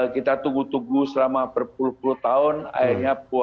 kita tunggu tunggu selama berpuluh puluh tahun akhirnya buah itu ada